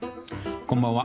こんばんは。